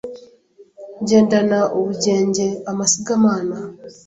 Ngendana ubugenge amasigamana